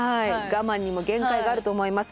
我慢にも限界があると思います。